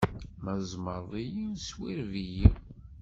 Ma tzemṛeḍ-iyi, swireb-iyi!